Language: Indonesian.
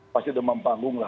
pasti demam panggung lah